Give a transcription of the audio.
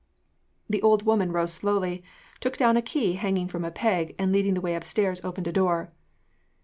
The old woman rose slowly, took down a key hanging from a peg, and, leading the way upstairs, opened a door.